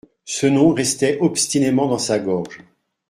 Ce nom restait obstinément dans sa gorge.